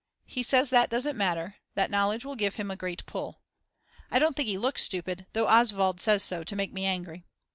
He says that doesn't matter, that knowledge will give him a great pull. I don't think he looks stupid, though Oswald says so to make me angry.